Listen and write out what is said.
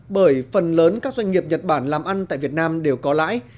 bởi phần lớn các doanh nghiệp nhật bản làm ăn tại việt nam đều có lãi